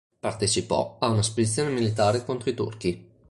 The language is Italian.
Partecipò a una spedizione militare contro i Turchi.